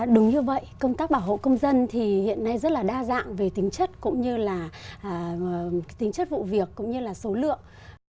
đúng như vậy công tác bảo hộ công dân thì hiện nay rất là đa dạng về tính chất cũng như là tính chất vụ việc cũng như là số lượng